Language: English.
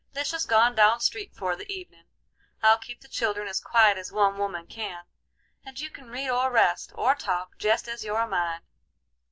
Lisha's gone down street for the evenin'. I'll keep the children as quiet as one woman can, and you may read or rest, or talk, jest as you're a mind."